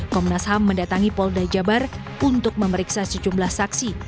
komnas ham mendatangi polda jabar untuk memeriksa sejumlah saksi